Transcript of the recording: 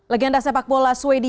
legenda sepak bola sweden